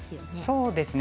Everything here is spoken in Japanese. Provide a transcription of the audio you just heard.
そうですね。